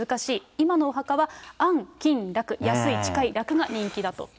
今のお墓は、安・近・楽、安い、近い、楽が人気だと。